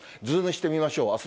ズームしてみましょう。